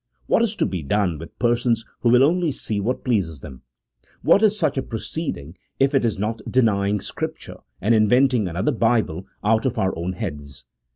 What is to be done with persons who will only see what pleases them ? "What is such a proceeding if it is not denying Scripture, and inventing another Bible out of our own heads